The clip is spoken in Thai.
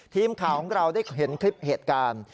ทีมข่าวของเราได้เห็นคลิปเหตุการณ์